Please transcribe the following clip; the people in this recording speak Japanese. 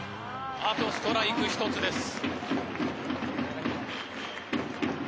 あとストライク１つです。